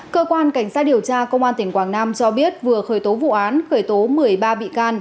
cơ quan cảnh sát điều tra công an tỉnh quảng nam cho biết vừa khởi tố vụ án khởi tố một mươi ba bị can